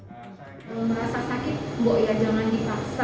kalau merasa sakit bahwa ya jangan dipaksa